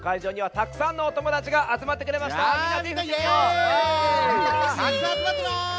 たくさんあつまってます！